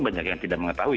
banyak yang tidak mengetahui